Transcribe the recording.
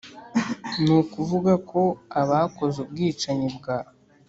ni ukuvuga ko abakoze ubwicanyi bwa